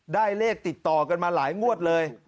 ได้เลขติดต่อกันมาหลายงวดเลย